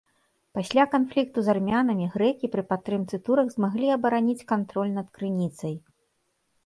Пасля канфлікту з армянамі, грэкі пры падтрымцы турак змаглі абараніць кантроль над крыніцай.